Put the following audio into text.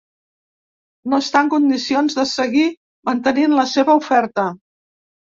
No està en condicions de seguir mantenint la seva oferta.